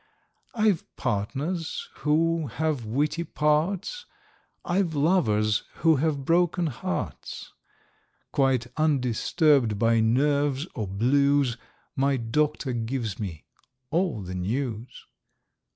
I've partners, who have witty parts; I've lovers, who have broken hearts; Quite undisturbed by nerves or blues, My doctor gives me—all the news.